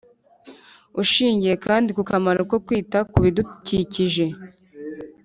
Ushingiye kandi ku kamaro ko kwita kubidukikije